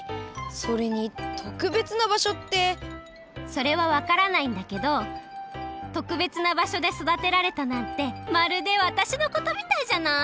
それはわからないんだけどとくべつな場所でそだてられたなんてまるでわたしのことみたいじゃない？